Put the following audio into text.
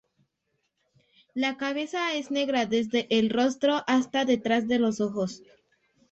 La cabeza es negra desde el rostro hasta detrás de los ojos.